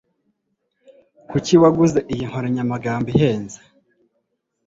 Kuki waguze iyi nkoranyamagambo ihenze?